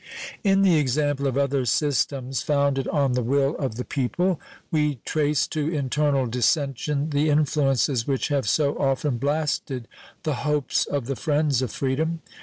In the example of other systems founded on the will of the people we trace to internal dissension the influences which have so often blasted the hopes of the friends of freedom.